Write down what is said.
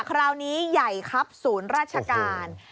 คราวนี้ใหญ่ครับศูนย์ราชการ